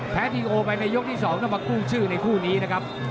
ทีโอไปในยกที่๒ต้องมากู้ชื่อในคู่นี้นะครับ